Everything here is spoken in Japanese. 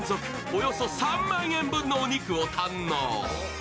およそ３万円分のお肉を堪能。